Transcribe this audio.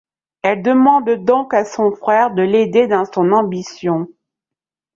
Elle demande donc à son frère de l'aider dans son ambition.